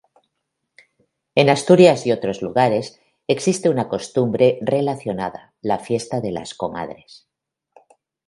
En Asturias y otros lugares existe una costumbre relacionada, la fiesta de "las comadres".